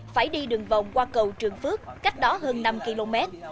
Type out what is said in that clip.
phải đi đường vòng qua cầu trường phước cách đó hơn năm km